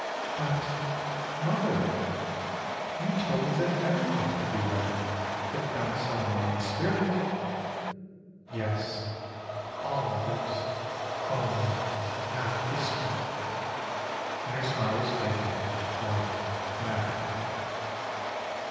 "But, mother, you told me that every book could be read, if done so in the right spirit. '*" Yes, all others, only not this one ;" and her smile was vacant, white and acrid.